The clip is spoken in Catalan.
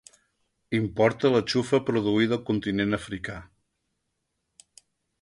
Importa la xufa produïda al continent africà.